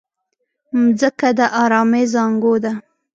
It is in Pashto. مځکه د ارامۍ زانګو ده.